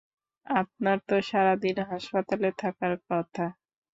আপনার তো সারাদিন হাসপাতালে থাকার কথা।